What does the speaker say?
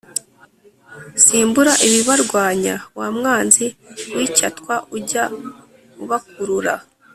Simbura ibibarwanya wa mwanzi wicyatwa ujya ubakurura